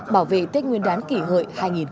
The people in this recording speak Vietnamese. bảo vệ tết nguyên đán kỷ hợi hai nghìn một mươi chín